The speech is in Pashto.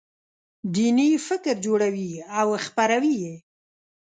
دیني فکر جوړوي او خپروي یې.